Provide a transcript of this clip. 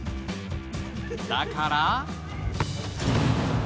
だから。